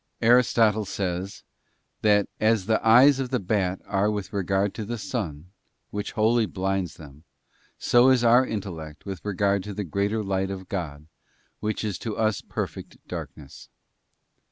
Aristotle says, that as the eyes of the bat are with regard to the sun, which wholly blinds them, so is our intellect with regard to the greater Light of God which is to us perfect darkness.